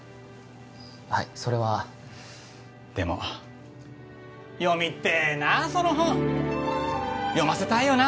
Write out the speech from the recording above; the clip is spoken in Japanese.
はいそれはでも読みてえなその本読ませたいよな